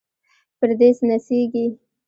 پردې نڅیږي